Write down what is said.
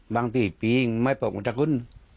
บ้างที่ปริยิงไม่ตกเถอะชักกัน